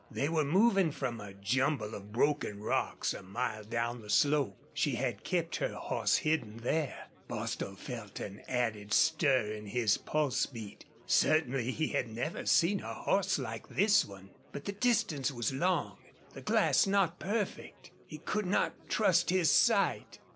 They were moving from a jumble of broken rocks a mile down the slope. She had kept her horse hidden there. Bostil felt an added stir in his pulse beat. Certainly he had never seen a horse like this one. But the distance was long, the glass not perfect; he could not trust his sight.